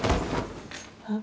あっ。